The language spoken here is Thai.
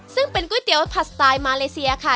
ซึ่งเป็นก๋วยเตี๋ยวผัดสไตล์มาเลเซียค่ะ